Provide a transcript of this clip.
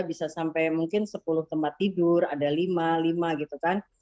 bisa sampai mungkin sepuluh tempat tidur ada lima lima gitu kan